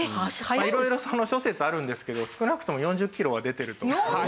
色々諸説あるんですけど少なくとも４０キロは出てると。